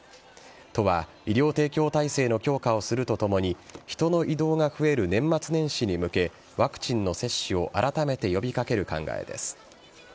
都は医療提供体制の強化をするとともに人の移動が増える年末年始に向けワクチンの接種をあらためて呼び掛ける考えです。